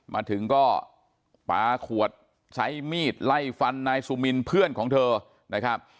มาถึงก็ปลาขวดใช้มีดไล่ฟันนายสุมินเพื่อนของเธอนะครับ